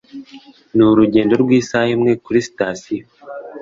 Ni urugendo rw'isaha imwe kuri sitasiyo.